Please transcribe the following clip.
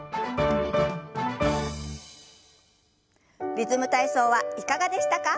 「リズム体操」はいかがでしたか？